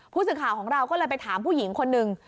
ผู้สื่อข่าวของเราก็เลยไปถามผู้หญิงคนหนึ่ง